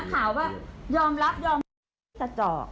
ข่าวว่ายอมรับยอมรับ